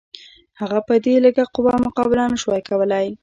هغه په دې لږه قوه مقابله نه شوای کولای.